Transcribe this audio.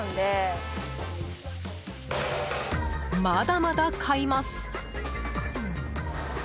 まだまだ買います！